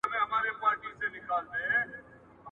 د شگو بند اوبه وړي.